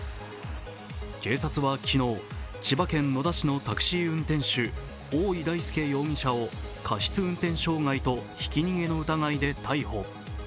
警察は昨日、千葉県野田市のタクシー運転手、大井大輔容疑者を過失運転傷害とひき逃げの疑いで逮捕。